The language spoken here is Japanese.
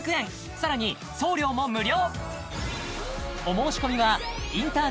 さらに送料も無料！